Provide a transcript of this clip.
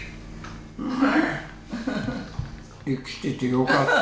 生きていてよかった。